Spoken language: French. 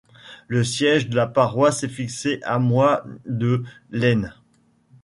Le siège de la paroisse est fixé à Moÿ-de-l'Aisne.